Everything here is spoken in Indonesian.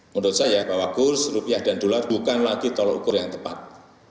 menurut saya bahwa kurs rupiah dan dolar bukan lagi tolok ukur yang tepat